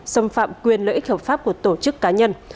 xâm phạm quyền lợi ích hợp pháp của tổ chức cá nhân